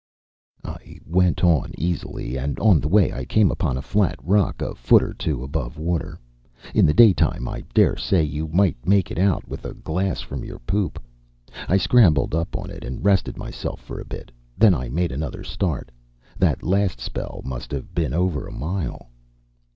I went on easily, and on the way I came upon a flat rock a foot or two above water. In the daytime, I dare say, you might make it out with a glass from your poop. I scrambled up on it and rested myself for a bit. Then I made another start. That last spell must have been over a mile."